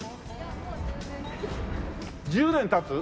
１０年経つ？